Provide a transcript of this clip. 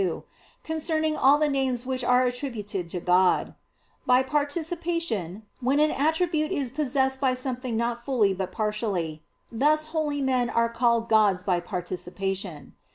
2) concerning all the names which are attributed to God: by participation, when an attribute is possessed by something not fully but partially; thus holy men are called gods by participation.